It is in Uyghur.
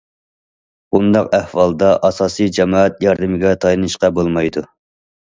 بۇنداق ئەھۋالدا ئاساسىي جامائەت ياردىمىگە تايىنىشقا بولمايدۇ.